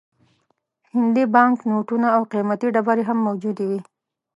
هندي بانک نوټونه او قیمتي ډبرې هم موجودې وې.